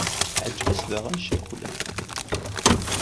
Teɛǧeb-as daɣen ccakula.